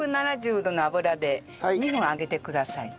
１７０度の油で２分揚げてください。